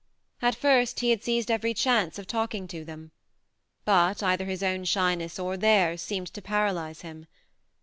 At first he had seized every chance of talking to them; but either his own shyness or theirs seemed to paralyze him.